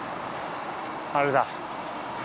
あれだ。